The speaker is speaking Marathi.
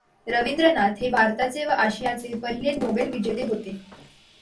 रवींद्रनाथ हे भारताचे व आशियाचे पहिले नोबेलविजेते होते.